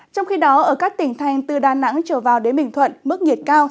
trong khi đó ở các tỉnh thanh từ đà nẵng trở vào đến bình thuận